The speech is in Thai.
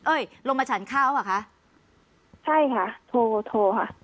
เอ้ยลงมาฉันเข้าอะคะใช่ค่ะโทรโทรค่ะ